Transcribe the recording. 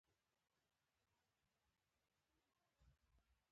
• د برېښنا ضایع کول باید ونه شي.